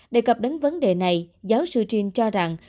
đề cập đến vấn đề này giáo sư trin cho rằng